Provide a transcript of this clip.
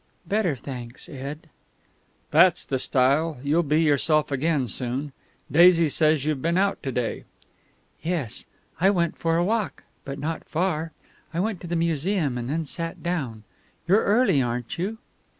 "Better, thanks, Ed." "That's the style. You'll be yourself again soon. Daisy says you've been out to day?" "Yes, I went for a walk. But not far; I went to the Museum and then sat down. You're early, aren't you?"